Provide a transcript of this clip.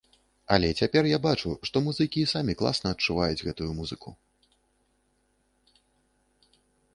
Але цяпер я бачу, што музыкі і самі класна адчуваюць гэтую музыку.